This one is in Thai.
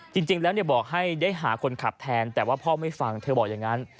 จริงแล้วบอกให้ได้หาคนขับแทนแต่ว่าพ่อไม่ฟังเธอบอกอย่างนั้น